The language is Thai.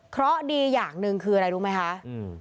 เพราะดีอย่างหนึ่งคืออะไรรู้ไหมคะอืม